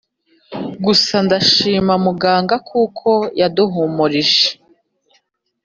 Gusa ndashimira muganga kuko yaduhumurije